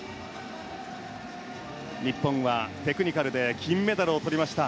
日本は、テクニカルで金メダルをとりました。